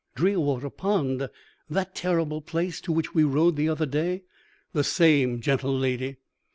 "'Drearwater Pond? That terrible place to which we rode the other day?' "'The same, gentle lady.'